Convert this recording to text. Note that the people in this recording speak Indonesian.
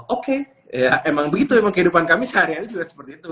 oke ya emang begitu emang kehidupan kami sehari hari juga seperti itu